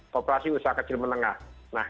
populasi usaha kecil menengah